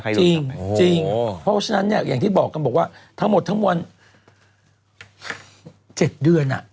จริงเพราะฉะนั้นเนี่ยอย่างที่บอกกันบอกว่าทั้งหมดทั้งมวล๗เดือน